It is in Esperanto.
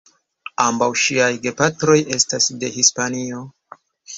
Ambaŭ ŝiaj gepatroj estas de Hispanio.